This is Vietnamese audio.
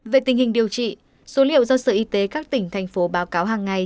về tình hình điều trị số liệu do sở y tế các tỉnh thành phố báo cáo hàng ngày